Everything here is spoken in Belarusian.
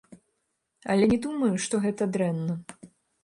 Але не думаю, што гэта дрэнна.